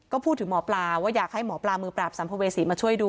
ก็พูดถึงหมอปลาว่าอยากให้หมอปลามือปราบสัมภเวษีมาช่วยดู